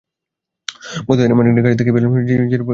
পথে তারা এমন একটি গাছ দেখতে পেলেন, যেরূপ গাছ কেউ কোনদিন দেখেনি।